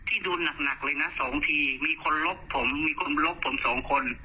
ที่โดนหนักเลยนะสองทีมีคนลบผมมีคนลบผมสองคน